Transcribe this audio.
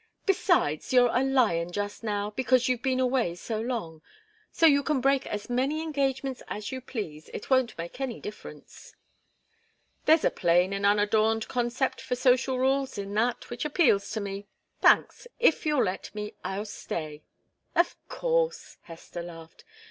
"Besides, you're a lion just now, because you've been away so long. So you can break as many engagements as you please it won't make any difference." "There's a plain and unadorned contempt for social rules in that, which appeals to me. Thanks; if you'll let me, I'll stay." "Of course!" Hester laughed.